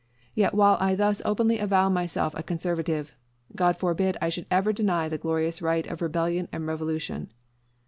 Yet while I thus openly avow myself a conservative, God forbid I should ever deny the glorious right of rebellion and revolution.